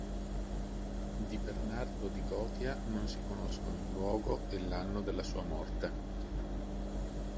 Di Bernardo di Gotia non si conoscono il luogo e l'anno della sua morte.